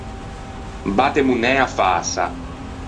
Batte monæa fäsa.